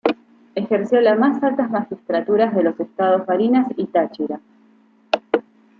Ejerció las más altas magistraturas de los estados Barinas y Táchira.